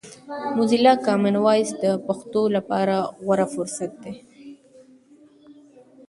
موزیلا کامن وایس د پښتو لپاره غوره فرصت دی.